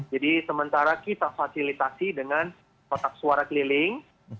sementara kita fasilitasi dengan kotak suara keliling